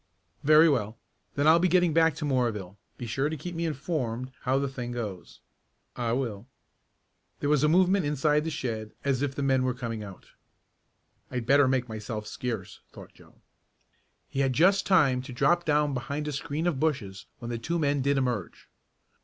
"Very well, then I'll be getting back to Moorville. Be sure to keep me informed how the thing goes." "I will." There was a movement inside the shed as if the men were coming out. "I'd better make myself scarce," thought Joe. He had just time to drop down behind a screen of bushes when the two men did emerge.